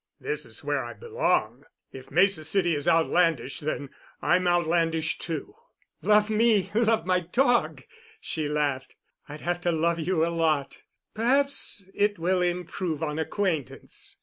"This is where I belong. If Mesa City is outlandish, then I'm outlandish, too." "Love me, love my dog," she laughed. "I'd have to love you a lot. Perhaps it will improve on acquaintance."